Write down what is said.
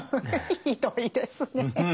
ひどいですねえ。